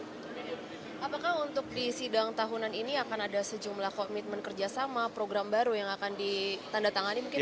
jadi di sidang tahunan ini akan ada sejumlah komitmen kerjasama program baru yang akan ditandatangani mungkin pak